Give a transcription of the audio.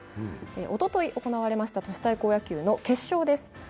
おととい行われました都市対抗野球の決勝です。